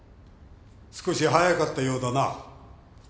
少し早かったようだな。